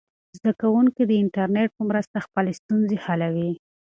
زده کوونکي د انټرنیټ په مرسته خپلې ستونزې حلوي.